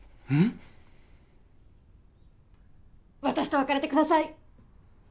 私と別れてください。